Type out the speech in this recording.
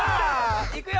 いくよ！